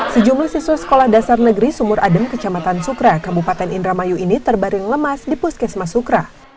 sejumlah siswa sekolah dasar negeri sumur adem kecamatan sukra kabupaten indramayu ini terbaring lemas di puskesmas sukra